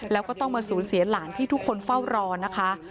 แล้วก็ต้องมาสูญเสียหลานที่ทุกคนเฝ้ารอนะคะ